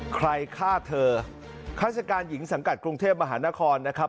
ใครฆ่าเธอฆาติการหญิงสังกัดกรุงเทพมหานครนะครับ